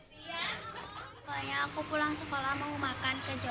pokoknya aku pulang sekolah mau makan ke jogja